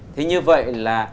thế như vậy là